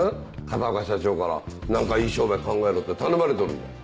片岡社長から何かいい商売考えろって頼まれちょるんじゃろ？